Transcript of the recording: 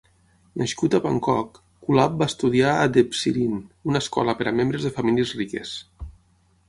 Nascut a Bangkok, Kulap va estudiar a Debsirin, una escola per a membres de famílies riques.